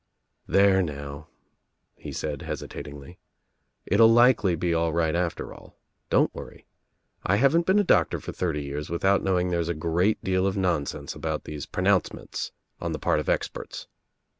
"There now," he said hesitatingly, "it'll likely be all right after all. Don't worry, I haven't been a doctor for thirty years without knowing there's a great deal of nonsense about these pronouncements on the part of experts.